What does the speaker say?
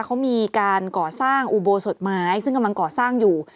เขามีการก่อสร้างอุโบสถไม้ซึ่งกำลังก่อสร้างอยู่